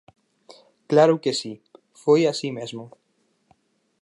Claro que si, foi así mesmo.